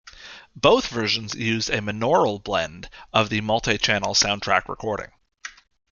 Both versions used a monaural blend of the multi-channel soundtrack recording.